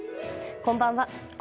こんばんは。